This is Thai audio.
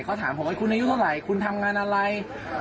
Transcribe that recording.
เขาถามผมว่าคุณอายุเท่าไหร่คุณทำงานอะไร